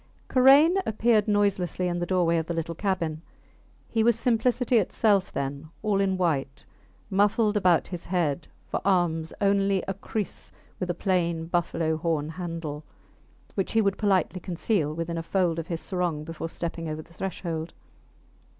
Karain appeared noiselessly in the doorway of the little cabin. He was simplicity itself then; all in white; muffled about his head; for arms only a kriss with a plain buffalo horn handle, which he would politely conceal within a fold of his sarong before stepping over the threshold.